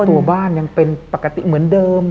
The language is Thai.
ตัวบ้านยังเป็นปกติเหมือนเดิม